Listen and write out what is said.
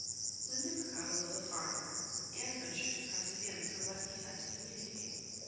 When they were got a little farther, Anne ventured to press again for what he had to communicate.